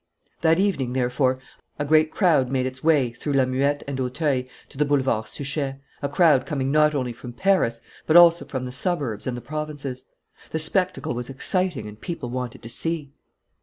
That evening, therefore, a great crowd made its way, through La Muette and Auteuil, to the Boulevard Suchet, a crowd coming not only from Paris, but also from the suburbs and the provinces. The spectacle was exciting, and people wanted to see.